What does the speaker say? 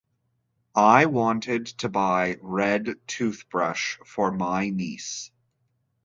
I wanted to buy red toothbrush for my niece.